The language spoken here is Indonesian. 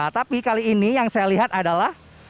tapi kali ini yang saya lihat adalah